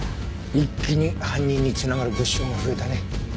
一気に犯人に繋がる物証が増えたね。